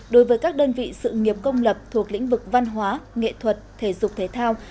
đối với các đơn vị sự nghiệp công lập thuộc lĩnh vực văn hóa nghệ thuật thể dục thể thao